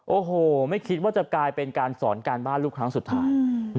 โอ้โหไม่คิดว่าจะกลายเป็นการสอนการบ้านลูกครั้งสุดท้าย